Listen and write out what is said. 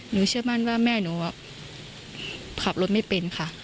เชื่อมั่นว่าแม่หนูขับรถไม่เป็นค่ะ